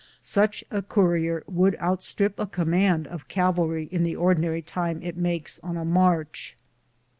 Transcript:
Such a courier would outstrip a command of cavalry in the ordinary time it makes on a march.